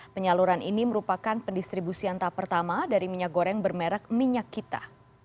penyaluran ini merupakan pendistribusian tahap pertama dari minyak goreng bermerek minyak kita